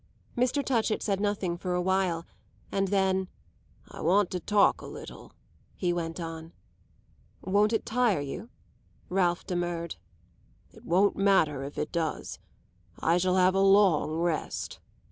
Mr. Touchett said nothing for a while; and then, "I want to talk a little," he went on. "Won't it tire you?" Ralph demurred. "It won't matter if it does. I shall have a long rest.